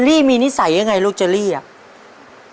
ลี่มีนิสัยยังไงลูกเจอรี่อ่ะ